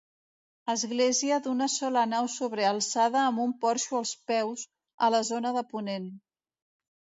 Església d'una sola nau sobrealçada amb un porxo als peus, a la zona de ponent.